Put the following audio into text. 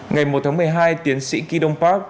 ngày một tháng một mươi hai tiến sĩ kydon park